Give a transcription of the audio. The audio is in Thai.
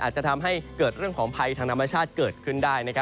อาจจะทำให้เกิดเรื่องของภัยทางธรรมชาติเกิดขึ้นได้